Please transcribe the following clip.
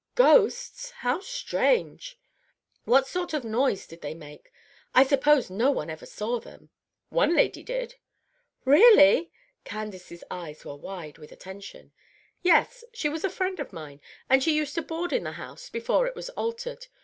"Ghosts! How strange! What sort of noise did they make? I suppose no one ever saw them." "One lady did." "Really!" Candace's eyes were wide with attention. "Yes. She was a friend of mine, and she used to board in the house before it was altered.